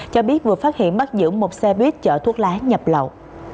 cho biết vừa phát hiện bắt giữ một xe buýt chở thuốc lá nhập lậu